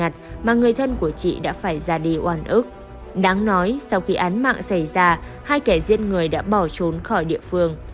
đáng nói sau khi án mạng xảy ra hai kẻ giết người đã bỏ trốn khỏi địa phương